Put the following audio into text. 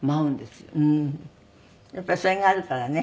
やっぱりそれがあるからね。